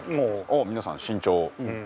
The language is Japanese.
皆さん慎重。